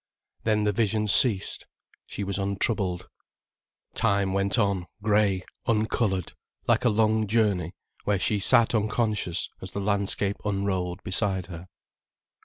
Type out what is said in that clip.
Then the vision ceased, she was untroubled, time went on grey, uncoloured, like a long journey where she sat unconscious as the landscape unrolled beside her.